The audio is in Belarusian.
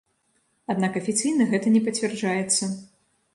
Аднак афіцыйна гэта не пацвярджаецца.